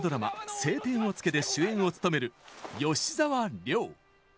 「青天を衝け」で主演を務める、吉沢亮。